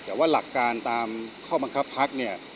แต่ว่าหลักการตามข้อบังคับพักเนี่ย